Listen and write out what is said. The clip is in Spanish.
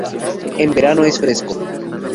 En verano es fresco.